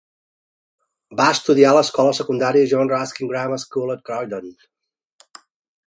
Va estudiar a l'escola secundària John Ruskin Grammar School a Croydon.